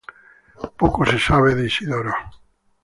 Poco se sabe de Isidoro.